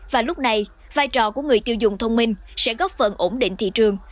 và lúc này vai trò của người tiêu dùng thông minh sẽ góp phần ổn định thị trường